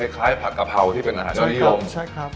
คล้ายผัดกะเพราที่เป็นอาหารเลี้ยวนิยม